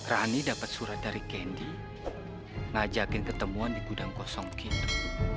rani dapat surat dari kendi ngajakin ketemuan di gudang kosong kindo